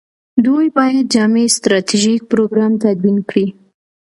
دوی باید جامع ستراتیژیک پروګرام تدوین کړي.